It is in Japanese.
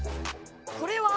これは。